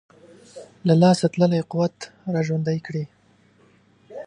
له لاسه تللی قوت را ژوندی کړي.